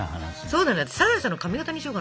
そうなのよ